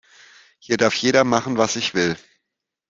Hier darf jeder machen, was ich will.